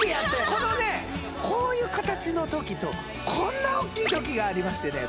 このねこういう形の時とこんな大きい時がありましてね